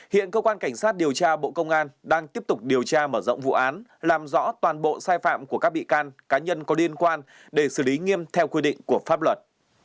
hiện cơ quan cảnh sát điều tra bộ công an đang tiếp tục điều tra mở rộng vụ án làm rõ toàn bộ sai phạm của các bị can cá nhân có liên quan để xử lý nghiêm theo quy định của pháp luật